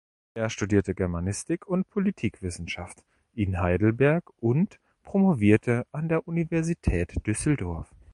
Er studierte Germanistik und Politikwissenschaft in Heidelberg und promovierte an der Universität Düsseldorf.